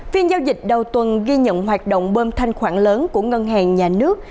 phiên giao dịch đầu tuần ghi nhận hoạt động bơm thanh khoản lớn của ngân hàng nhà nước